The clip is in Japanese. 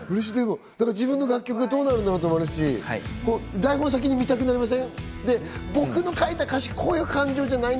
自分の楽曲がどうなるんだろうと思いますし、台本、先に見たくなりません？